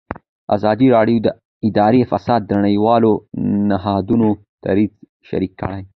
ازادي راډیو د اداري فساد د نړیوالو نهادونو دریځ شریک کړی.